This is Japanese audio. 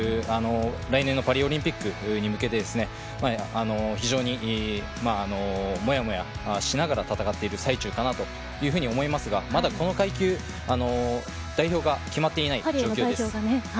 来年のパリオリンピックに向けて非常にもやもやしながら、戦っている最中かなと思いますがまだこの階級、パリへの代表が決まっていない状況です。